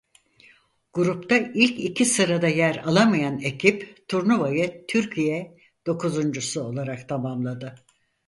Grupta ilk iki sırada yer alamayan ekip turnuvayı Türkiye dokuzuncusu olarak tamamladı.